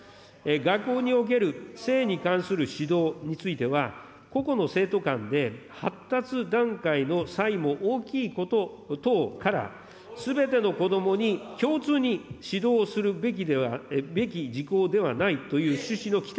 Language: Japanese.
学校における性に関する指導については、個々の生徒間で発達段階の際も大きいことから、すべての子どもに共通に指導するべき事項ではないという趣旨の規